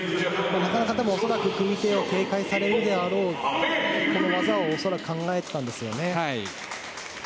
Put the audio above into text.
なかなか恐らく、組み手を警戒されるであろうこの技を恐らく考えてたんですよね。